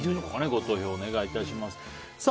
ご投票お願いいたします。